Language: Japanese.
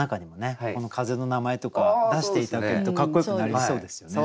この風の名前とか出して頂けるとかっこよくなりそうですよね。